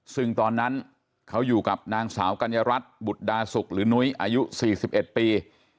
ซึ่งตอนนั้นเขาอยู่กับนางสาวกัญญารัฐบุตรดาสุกหรือนุ้ยอายุ๔๑ปี